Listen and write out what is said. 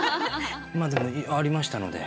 でもありましたので。